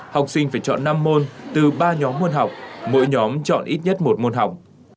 học sinh phải chọn năm môn từ ba nhóm môn học mỗi nhóm chọn ít nhất một môn học